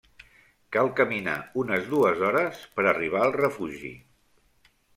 Cal caminar unes dues hores per arribar al refugi.